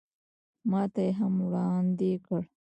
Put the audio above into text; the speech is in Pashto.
ماته یې هم وړاندې کړ.